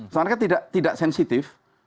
mereka tidak sensitif